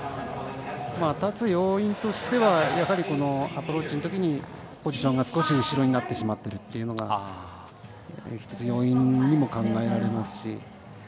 立つ要因としてはやはり、アプローチのときにポジションが少し後ろになってしまっているのが１つ要因にも考えられますし。